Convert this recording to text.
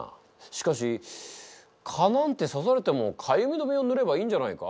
しかし蚊なんて刺されてもかゆみ止めを塗ればいいんじゃないか？